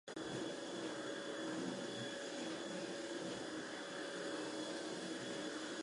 As the avatar he could manipulate rot, death and decay to his will.